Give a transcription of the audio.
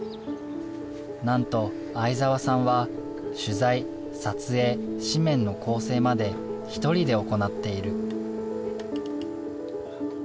なんと相沢さんは取材撮影紙面の構成まで１人で行っている。